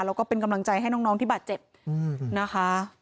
แล้วก็เป็นกำลังใจให้น้องที่บาดเจ็บนะคะ